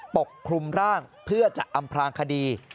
ปกคลุมร่างเพื่อจะอำพลางคดี